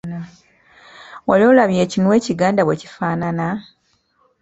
Wali olabye ekinu ekiganda bwe kifaanana?